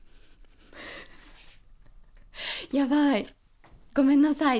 やばいごめんなさい。